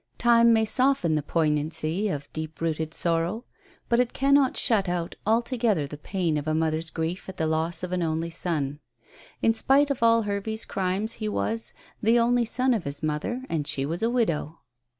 Time may soften the poignancy of deep rooted sorrow, but it cannot shut out altogether the pain of a mother's grief at the loss of an only son. In spite of all Hervey's crimes he was "the only son of his mother, and she was a widow."